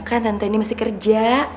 kan tante ini masih kerja